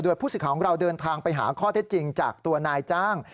ผู้สิทธิ์ของเราเดินทางไปหาข้อเท็จจริงจากตัวนายจ้าง